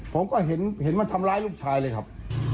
ผมก็เห็นมาทำร้ายลูกชายเลยครับ